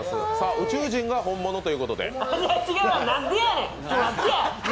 宇宙人が本物ということで。